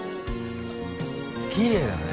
きれいだね